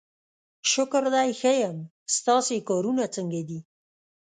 شکر دی ښه یم، ستاسې کارونه څنګه دي؟